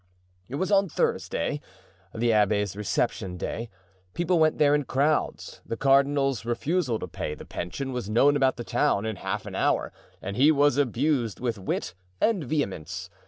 It was on Thursday, the abbé's reception day; people went there in crowds. The cardinal's refusal to pay the pension was known about the town in half an hour and he was abused with wit and vehemence.